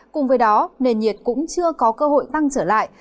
cùng với đó nền nhiệt cũng chưa có cơ hội tăng trở lại